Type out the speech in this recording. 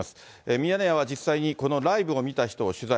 ミヤネ屋は実際にこのライブを見た人を取材。